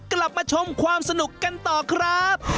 กลับมาชมความสนุกกันต่อครับ